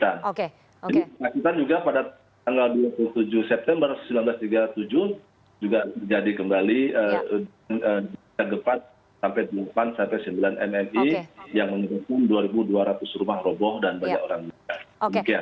jadi pacitan juga pada tanggal dua puluh tujuh september seribu sembilan ratus tiga puluh tujuh juga jadi kembali tergepat sampai sembilan mmi yang menurutku dua dua ratus rumah roboh dan banyak orang jatuh